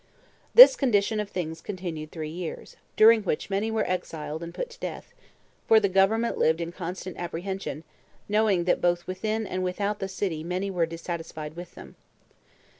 This condition of things continued three years, during which many were exiled and put to death; for the government lived in constant apprehension, knowing that both within and without the city many were dissatisfied with them.